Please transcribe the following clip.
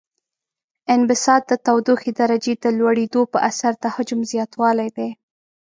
انبساط د تودوخې درجې د لوړیدو په اثر د حجم زیاتوالی دی.